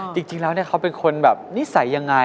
จริงแล้วเขาเป็นคนแบบนิสัยยังไง